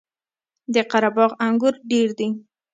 د قره باغ انګور ډیر دي